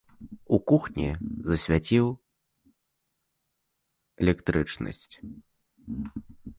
У кухні засвяціў электрычнасць.